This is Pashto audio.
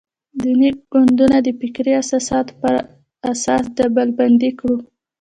دیني ګوندونه د فکري اساساتو پر اساس ډلبندي کړو.